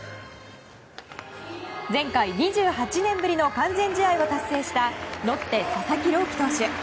前回２８年ぶりの完全試合を達成したロッテ、佐々木朗希投手。